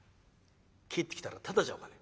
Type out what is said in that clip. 帰ってきたらただじゃおかねえ。